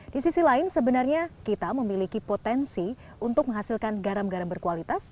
di sisi lain sebenarnya kita memiliki potensi untuk menghasilkan garam garam berkualitas